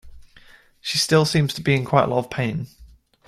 She still seems to be in quite a lot of pain.